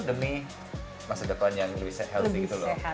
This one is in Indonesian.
demi masa depan yang lebih healthy gitu loh